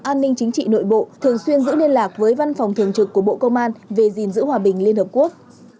an ninh chính trị nội bộ thường xuyên giữ liên lạc với văn phòng thường trực của bộ công an về gìn giữ hòa bình liên hợp quốc